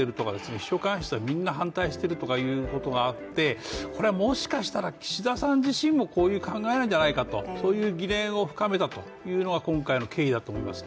秘書官室はみんな反対しているということがあって、もしかしたら岸田さん自身もそういう考えじゃないかと、そういう疑念を深めたというのが今回の経緯だと思います。